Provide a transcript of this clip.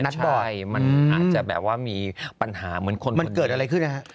บ่อยมันอาจจะแบบว่ามีปัญหาเหมือนคนมันเกิดอะไรขึ้นนะฮะ